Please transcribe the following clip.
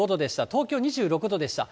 東京２６度でした。